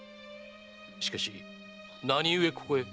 しかし何故ここへ？